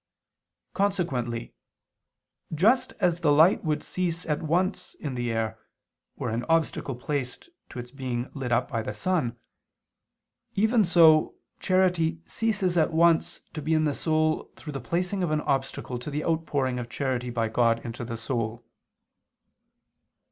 Consequently, just as the light would cease at once in the air, were an obstacle placed to its being lit up by the sun, even so charity ceases at once to be in the soul through the placing of an obstacle to the outpouring of charity by God into the soul.